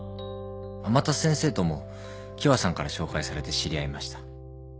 天達先生とも喜和さんから紹介されて知り合いました。